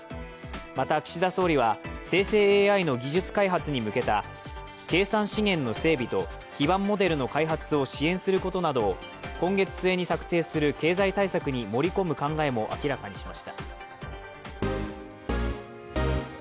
また、岸田総理は生成ＡＩの技術開発に向けた計算資源の整備と基盤モデルの開発を支援することなどを今月末に策定する経済対策に盛り込む考えも明らかにしました。